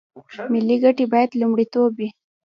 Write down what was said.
ملي ګټې باید لومړیتوب وي